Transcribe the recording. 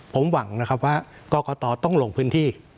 ผมหวังว่าก็กะต๋อต้องหลงพื้นที่